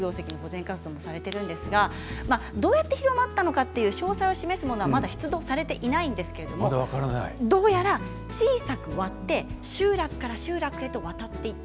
どうやって広まったのか詳細を示すものはまだ出土されていないんですけれどもどうやら小さく割って集落から集落へと渡っていった。